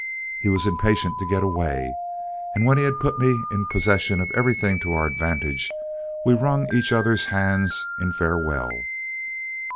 He was impatient to get away, and when he had put me in possession of everything to our advantage, we wrung each other's hands in farewell.